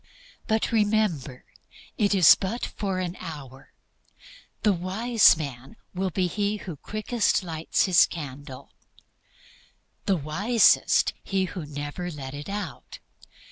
But, remember, it is but for an hour. The wise man will be he who quickest lights his candle, the wisest he who never lets it out.